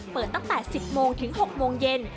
เปิดตั้งแต่๑๐โมงถึง๖โมงเย็น